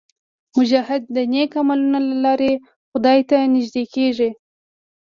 مجاهد د نیک عملونو له لارې خدای ته نږدې کېږي.